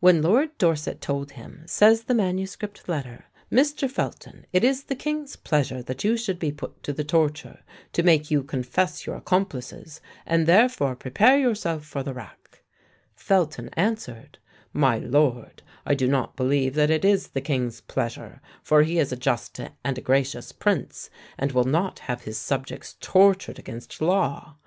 When Lord Dorset told him (says the MS. letter) "Mr. Felton, it is the king's pleasure that you should be put to the torture, to make you confess your accomplices, and therefore prepare yourself for the rack:" Felton answered, "My lord, I do not believe that it is the king's pleasure, for he is a just and a gracious prince, and will not have his subjects tortured against law.